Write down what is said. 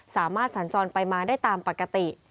สามารถสันจรไปมาได้ตามปกติ